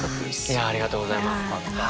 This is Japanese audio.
ありがとうございます。